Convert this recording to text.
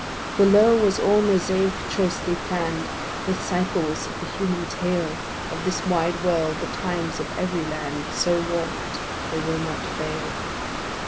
Below was all mosaic choicely plann'd With cycles of the human tale Of this wide world, the times of every land So wrought they will not fail.